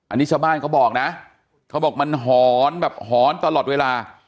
อันนี้ชาวบ้านเขาบอกนะเขาบอกมันหอนแบบหอนตลอดเวลา